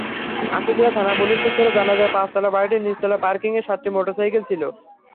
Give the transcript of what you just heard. আশুলিয়া থানা-পুলিশ সূত্রে জানা যায়, পাঁচতলা বাড়িটির নিচতলায় পার্কিংয়ে সাতটি মোটরসাইকেল ছিল।